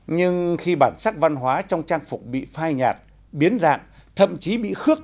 nhưng khi bản sắc văn hóa trong trang phục bị phai nhạt biến dạng thậm chí bị khước